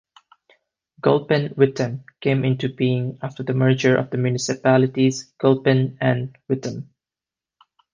Gulpen-Wittem came into being after the merger of the municipalities Gulpen and Wittem.